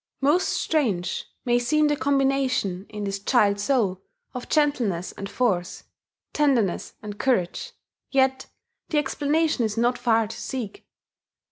Most strange may seem the combination, in this child soul, of gentleness and force, tenderness and courage, yet the explanation is not far to seek.